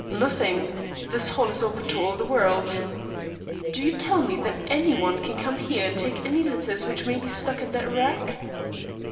"Nothing. This hall is open to all the world." "Do you tell me that any one can come here and take any letters which may be stuck in that rack?"